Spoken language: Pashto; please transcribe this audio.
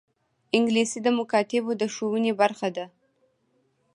انګلیسي د مکاتبو د ښوونې برخه ده